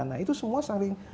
nah itu semua saling